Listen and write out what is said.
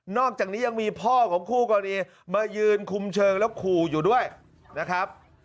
อกจากนี้ยังมีพ่อของคู่กรณีมายืนคุมเชิงแล้วขู่อยู่ด้วยนะครับ